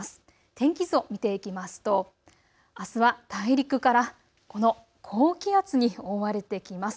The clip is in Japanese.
天気図を見ていきますとあすは大陸からこの高気圧に覆われてきます。